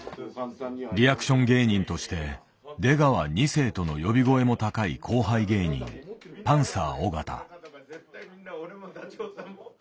リアクション芸人として「出川２世」との呼び声も高い後輩芸人パンサー尾形。